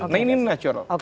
nah ini natural